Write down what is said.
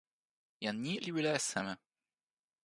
jan ni li wile e seme?